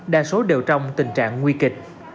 đa số đều trong tình trạng nguy kịch